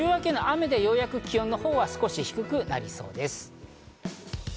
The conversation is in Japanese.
週明けの雨でようやく気温は少し低くなりそうです。